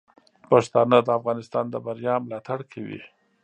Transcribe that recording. پښتانه د افغانستان د بریا ملاتړ کوي.